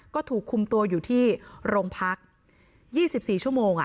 ก็ถูกคุมตัวอยู่ที่โรงพัก๒๔ชั่วโมง